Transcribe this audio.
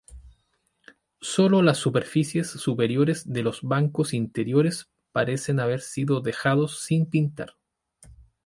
Sólo las superficies superiores de los bancos interiores parecen haber sido dejados sin pintar.